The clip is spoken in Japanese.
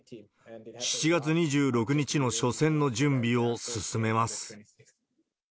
７月２６日の初戦の準備を進めます。